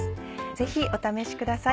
ぜひお試しください。